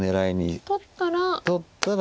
取ったら。